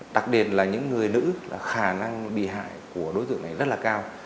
đặc biệt là những người nữ khả năng bị hại của đối tượng này rất là cao